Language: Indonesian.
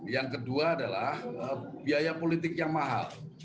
yang kedua adalah biaya politik yang mahal